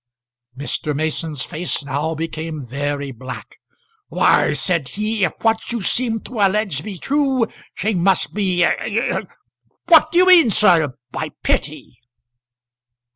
Mr. Mason's face now became very black. "Why," said he, "if what you seem to allege be true, she must be a a a . What do you mean, sir, by pity?"